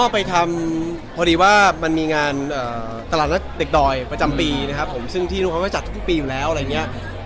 อ๋อไปทำพอดีว่ามันมีงานตาราธนด็กดอยประจำปีนะครับที่ทุกคนก็จัดทุกปีอยู่แล้วอะไรนี้